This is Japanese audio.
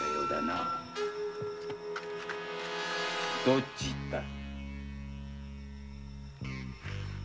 どっちへ行った？